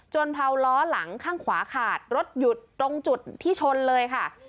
เผาล้อหลังข้างขวาขาดรถหยุดตรงจุดที่ชนเลยค่ะ